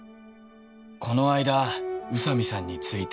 「この間宇佐美さんについて」